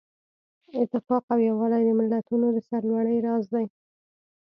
اتفاق او یووالی د ملتونو د سرلوړۍ راز دی.